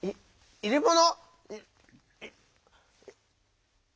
「いれもの」。